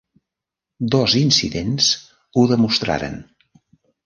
Dos incidents ho demostraren.